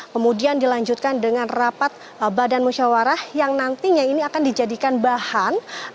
kemudian dilanjutkan dengan rapat badan musyawarah yang nantinya ini akan dijadikan bahan